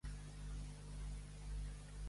Què li dona Pelat?